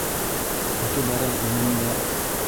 Үтеп бара инем дә...